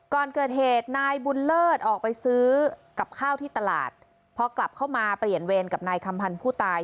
ก่อนเกิดเหตุนายบุญเลิศออกไปซื้อกับข้าวที่ตลาดพอกลับเข้ามาเปลี่ยนเวรกับนายคำพันธ์ผู้ตาย